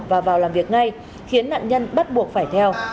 và vào làm việc ngay khiến nạn nhân bắt buộc phải theo